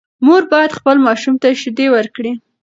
مور باید خپل ماشوم ته شیدې ورکړي.